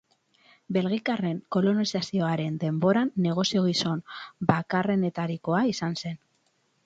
Belgikarren kolonizazioaren denboran negozio-gizon bakarrenetarikoa izan zen.